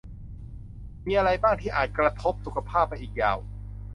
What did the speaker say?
มีอะไรบ้างที่อาจกระทบสุขภาพไปอีกยาว